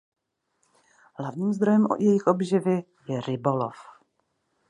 Hlavním zdrojem jejich obživy je rybolov.